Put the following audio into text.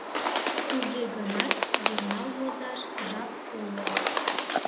— Туге гынат журнал возаш жап уло...